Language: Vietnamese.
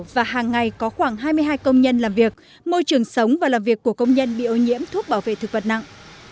và hàng ngày có khoảng hai mươi hai công nhân làm việc môi trường sống và làm việc của công nhân bị ô nhiễm thuốc bảo vệ thực vật nặng